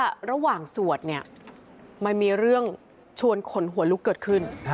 แล้วระหว่างสวดไม่มีเรื่องชวนขนหัวลุกเกิดขึ้น